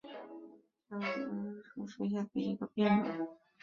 小果革叶槭为槭树科槭属下的一个变种。